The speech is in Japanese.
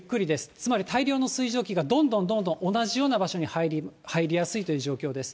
つまり、大量の水蒸気がどんどんどんどん、同じような場所に入りやすいという状況です。